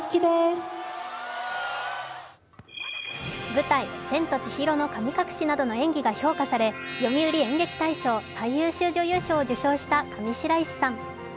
舞台「千と千尋の神隠し」などの演技が評価され読売演劇大賞最優秀女優賞を受賞した上白石さん。